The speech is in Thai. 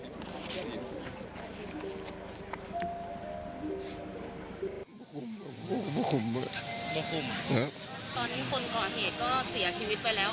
ตอนนี้คนก่อเหตุก็เสียชีวิตไปแล้ว